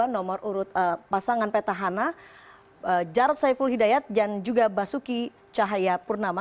nomor urut pasangan petahana jarod saiful hidayat dan juga basuki cahaya purnama